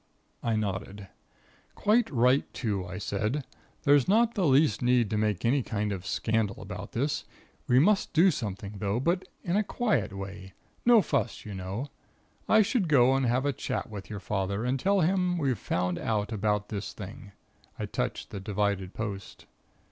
"I nodded. "'Quite right, too,' I said. 'There's not the least need to make any kind of scandal about this. We must do something, though, but in a quiet way. No fuss, you know. I should go and have a chat with your father, and tell him we've found out about this thing.' I touched the divided post.